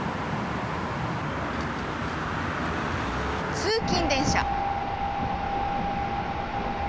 通勤電車！